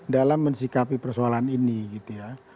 dalam mensikapi persoalan ini gitu ya